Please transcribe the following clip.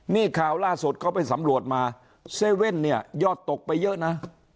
นี่ข่าวล่าสุดเขาไปสำรวจมาเซเว่นเนี่ยยอดตกไปเยอะนะ